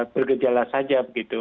bergejala saja begitu